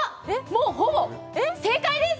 もうほぼ正解です！